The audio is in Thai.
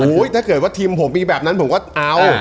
ถ้าเกิดว่าทีมผมมีแบบนั้นผมก็เอา